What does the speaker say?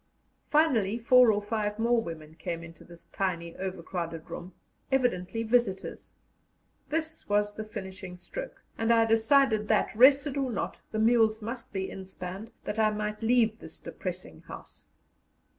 Finally four or five more women came into this tiny overcrowded room, evidently visitors. This was the finishing stroke, and I decided that, rested or not, the mules must be inspanned, that I might leave this depressing house.